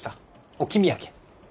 置き土産。